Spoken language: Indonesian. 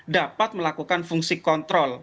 dapat melakukan fungsi kontrol